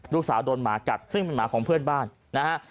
โดนหมากัดซึ่งเป็นหมาของเพื่อนบ้านนะฮะ